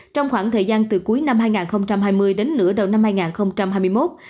trong khoảng thời gian từ cuối năm hai nghìn hai mươi đến nửa đầu năm hai nghìn hai mươi một